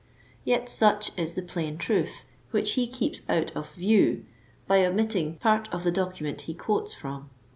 Yet such is the plain truth, which he keeps out of view by oraittiag part of the document he 97 quotes from.